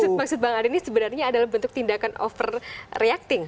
jadi maksud bang arief ini sebenarnya adalah bentuk tindakan overreacting